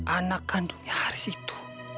anak kandungnya haris itu